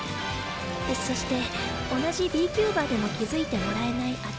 そして同じＢ・キューバーでも気付いてもらえない私。